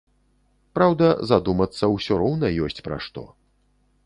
Праўда, задумацца ўсё роўна ёсць пра што.